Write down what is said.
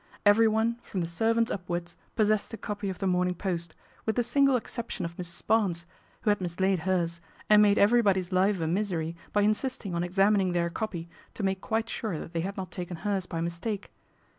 Everyone from the servants up I wards possessed a copy of The Morning Post, with |the single exception of Mrs. Barnes, who had mis laid hers and made everybody's life a misery by isisting on examining their copy to make quite Hire that they had not taken hers by mistake.